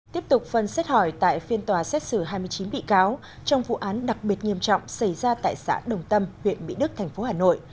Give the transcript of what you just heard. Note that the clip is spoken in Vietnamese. tiếp tục phân xét hỏi tại phiên tòa xét xử hai mươi chín bị cáo trong vụ án đặc biệt nghiêm trọng xảy ra tại xã đồng tâm huyện mỹ đức thành phố hà nội